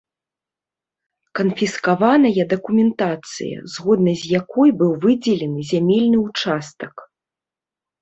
Канфіскаваная дакументацыя, згодна з якой быў выдзелены зямельны ўчастак.